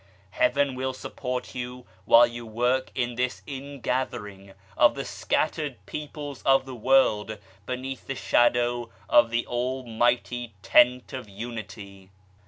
Heaven will support you while you work in this in gathering of the scattered peoples of the world beneath the shadow of the Almighty Tent of Unity.